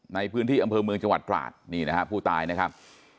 ในพื้นที่อำเภอเมืองจังหวัดตราดนี่นะฮะผู้ตายนะครับ